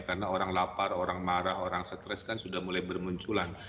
karena orang lapar orang marah orang stres kan sudah mulai bermunculan